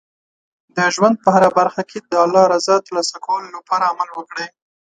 د ژوند په هره برخه کې د الله رضا ترلاسه کولو لپاره عمل وکړئ.